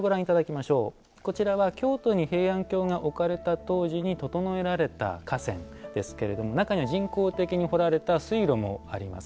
こちらは京都に平安京が置かれた当時に整えられた河川ですけれども中には人工的に掘られた水路もあります。